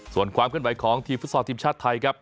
ส่วนความขึ้นไปของทีฟุตซอร์ทีมชาติไทยครับ